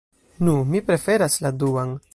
Nu, mi preferas la duan.